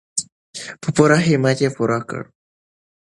په پوره همت یې پوره کړو.